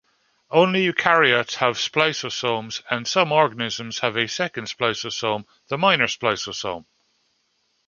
Only eukaryotes have spliceosomes and some organisms have a second spliceosome, the minor spliceosome.